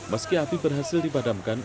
meski api berhasil dibadamkan